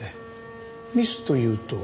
ミスというと？